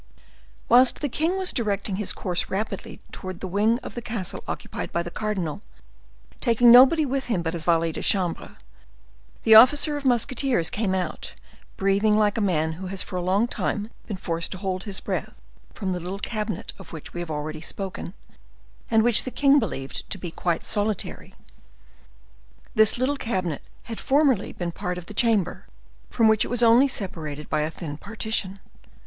Whilst the king was directing his course rapidly towards the wing of the castle occupied by the cardinal, taking nobody with him but his valet de chambre, the officer of musketeers came out, breathing like a man who has for a long time been forced to hold his breath, from the little cabinet of which we have already spoken, and which the king believed to be quite solitary. This little cabinet had formerly been part of the chamber, from which it was only separated by a thin partition.